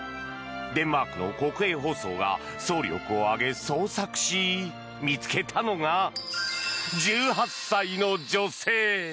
デンマークの国営放送が総力を挙げ捜索し、見つけたのが１８歳の女性。